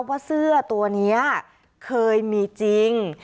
ว่าเสื้อตัวนี้เคยมีจริง